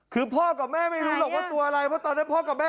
แก่แก่เก้าที่สาม